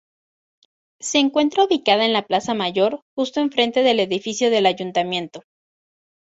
Se encuentra ubicada en la plaza Mayor justo enfrente del edificio del Ayuntamiento.